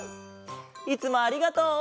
いつもありがとう。